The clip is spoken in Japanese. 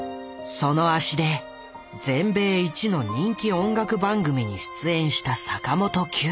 その足で全米一の人気音楽番組に出演した坂本九。